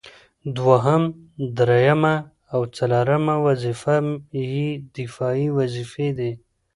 دوهم، دريمه او څلورمه وظيفه يې دفاعي وظيفي دي